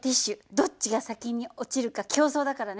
どっちが先に落ちるか競争だからね。